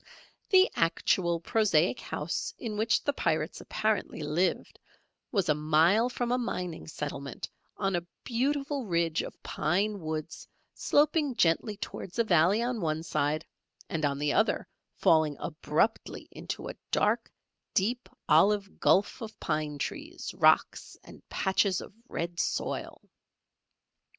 The actual, prosaic house in which the Pirates apparently lived, was a mile from a mining settlement on a beautiful ridge of pine woods sloping gently towards a valley on the one side, and on the other falling abruptly into a dark deep olive gulf of pine trees, rocks, and patches of red soil.